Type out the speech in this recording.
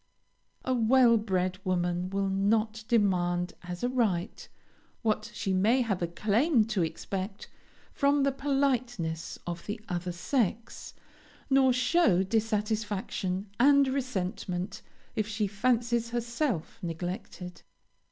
A well bred woman will not demand as a right what she may have a claim to expect from the politeness of the other sex, nor show dissatisfaction and resentment if she fancies herself neglected.